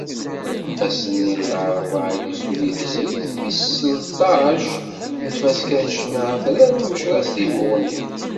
Ass-nni n larebɛa i tessuli tezrigt tis tleṭṭac n tfaska n ccna atrar n Umecras di Buɣni.